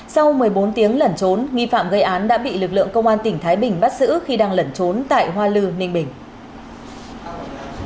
sau một mươi bốn tiếng lẩn trốn nghi phạm gây án đã bị lực lượng công an tỉnh thái bình bắt giữ khi đang lẩn trốn tại hoa lư ninh bình